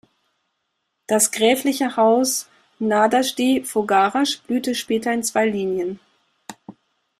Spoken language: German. Das gräfliche Haus Nádasdy-Fogáras blühte später in zwei Linien.